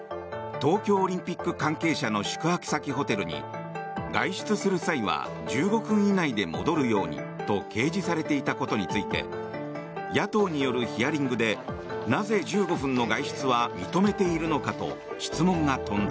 東京オリンピック関係者の宿泊先ホテルに外出する際は１５分以内で戻るようにと掲示されていたことについて野党によるヒアリングでなぜ、１５分の外出は認めているのかと質問が飛んだ。